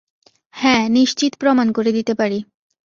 হ্যাঁ, নিশ্চিত প্রমাণ করে দিতে পারি।